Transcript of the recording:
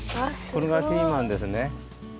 これがピーマンですね。